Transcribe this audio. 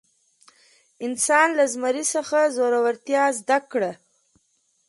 انسان له زمري څخه زړورتیا زده کړه.